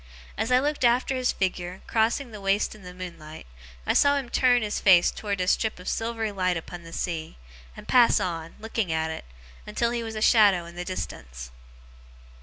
As I looked after his figure, crossing the waste in the moonlight, I saw him turn his face towards a strip of silvery light upon the sea, and pass on, looking at it, until he was a shadow in the distance.